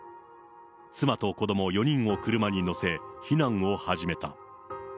妻と子ども４人を車に乗せ、避難を始めた。